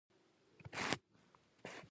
پر مړوندونو يې باران تاویږې